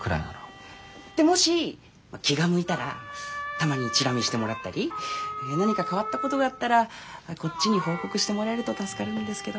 でもし気が向いたらたまにチラ見してもらったり何か変わったことがあったらこっちに報告してもらえると助かるんですけど。